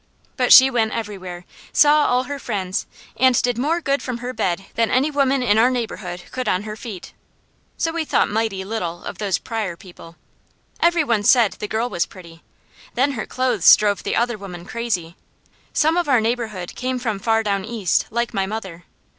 But she went everywhere, saw all her friends, and did more good from her bed than any other woman in our neighbourhood could on her feet. So we thought mighty little of those Pryor people. Every one said the girl was pretty. Then her clothes drove the other women crazy. Some of our neighbourhood came from far down east, like my mother.